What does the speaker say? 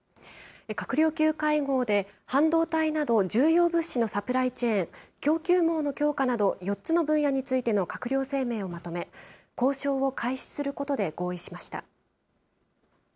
閣僚級会合で、半導体など重要物資のサプライチェーン・供給網の強化など、４つの分野についての閣僚声明をまとめ、交渉を開始することで合意しました。